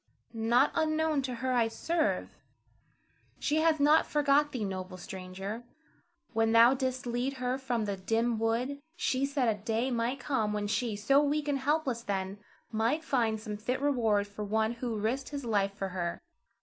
Not unknown to her I serve. She hath not forgot thee, noble stranger. When thou didst lead her from the dim wood, she said a day might come when she, so weak and helpless then, might find some fit reward for one who risked his life for her.